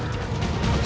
aku tidak percaya